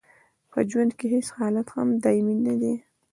په ژوند کې هیڅ حالت هم دایمي نه دی.